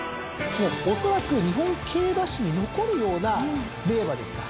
もうおそらく日本競馬史に残るような名馬ですから。